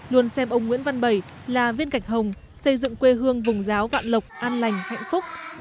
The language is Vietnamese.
luôn xem ông nguyễn văn bảy là viên gạch hồng xây dựng quê hương vùng giáo vạn lộc an lành hạnh phúc